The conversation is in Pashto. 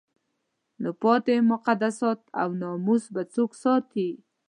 نو پاتې مقدسات او ناموس به څوک ساتي؟